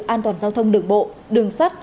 an toàn giao thông đường bộ đường sắt